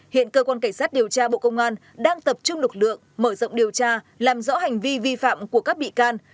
hiện cơ quan cảnh sát điều tra bộ công an đang tập trung lực lượng mở rộng điều tra làm rõ hành vi vi phạm của các bị can